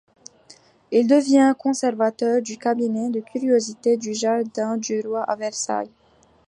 Il devient conservateur du cabinet de curiosités du Jardin du Roi à Versailles.